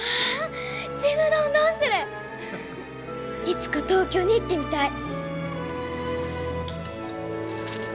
いつか東京に行ってみたい。